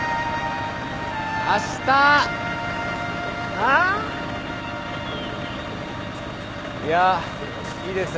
あぁ？いやいいです。